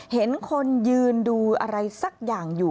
เห็นคนยืนดูอะไรสักอย่างอยู่